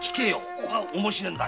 ここが面白えんだ。